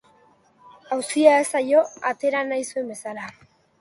Auzia ez zaio atera nahi zuen bezala.